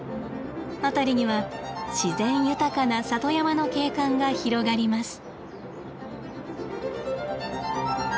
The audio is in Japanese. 辺りには自然豊かな里山の景観が広がります。